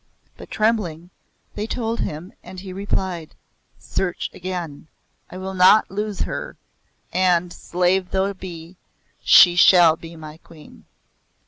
But, trembling, they told him, and he replied; "Search again. I will not lose her, and, slave though be, she shall be my Queen."